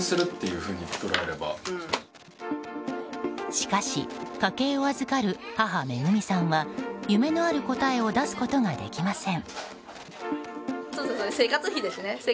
しかし、家計を預かる母・愛さんは夢のある答えを出すことができません。